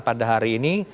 pada hari ini